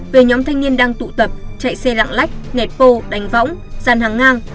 về nhóm thanh niên đang tụ tập chạy xe lặng lách nẹt pô đánh võng dàn hàng ngang